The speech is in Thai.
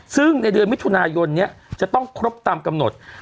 ซึ่งในเดือนมิถุนายนนี้จะต้องครบตามกำหนด